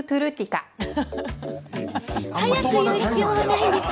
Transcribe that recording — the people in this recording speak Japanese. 早く言う必要はないんです。